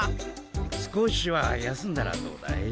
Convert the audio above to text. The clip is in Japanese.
少しは休んだらどうだい？